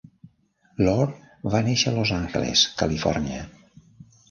Lohr va néixer a Los Angeles, Califòrnia.